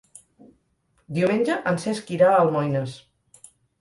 Diumenge en Cesc irà a Almoines.